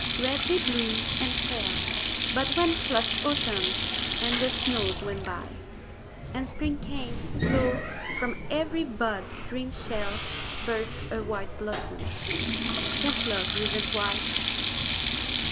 Red they bloomed and fell; But when flushed autumn and the snows went by, And spring came, lo, from every bud's green shell Burst a white blossom. Can love reason why?